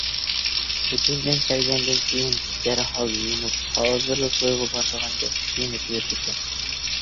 ئېتىزدىن كەلگەندىن كېيىن دەرھال يۇيۇنۇپ، ھازىرلا تويغا بارىدىغاندەك كىيىنىپ يۈرىدىكەن.